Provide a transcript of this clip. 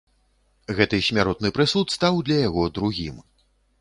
Гэты смяротны прысуд стаў для яго другім.